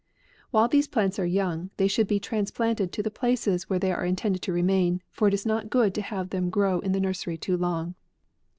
While these plants are young, they 48 APRIL. should be transplanted to the places where they are intended to remain, for it is not good to have them grow in the nursery too long.